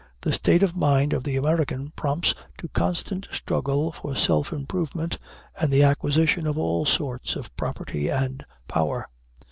The state of mind of the American prompts to constant struggle for self improvement and the acquisition of all sorts of property and power.